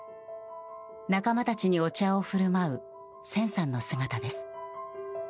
仲間たちにお茶を振る舞う千さんの姿です。